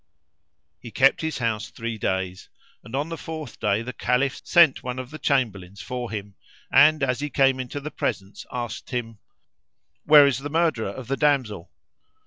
He kept his house three days and on the fourth day the Caliph sent one of the Chamberlains for him and, as he came into the presence, asked him, "Where is the murderer of the damsel?"